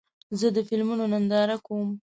زه د فلمونو ننداره کوم.